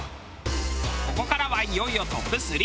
ここからはいよいよＴＯＰ３。